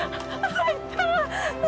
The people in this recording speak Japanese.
入った！